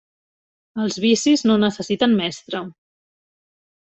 Els vicis no necessiten mestre.